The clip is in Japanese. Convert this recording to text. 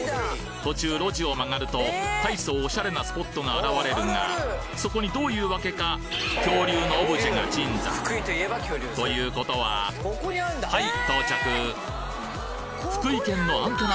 途中路地を曲がると大層オシャレなスポットが現れるがそこにどういうわけか恐竜のオブジェが鎮座ということははい